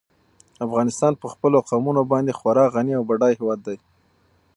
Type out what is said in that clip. افغانستان په خپلو قومونه باندې خورا غني او بډای هېواد دی.